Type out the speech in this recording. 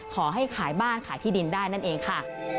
ขอให้ขายบ้านขายที่ดินได้นั่นเองค่ะ